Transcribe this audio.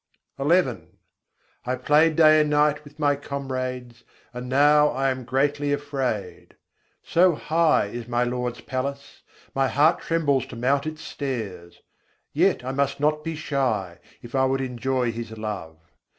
XI I. 131. nis' din khelat rahî sakhiyân sang I played day and night with my comrades, and now I am greatly afraid. So high is my Lord's palace, my heart trembles to mount its stairs: yet I must not be shy, if I would enjoy His love.